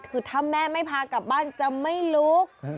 คือถ้าแม่ไม่พากลับบ้านจะไม่ลุก